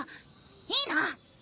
いいな？